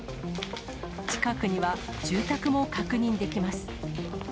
近くには住宅も確認できます。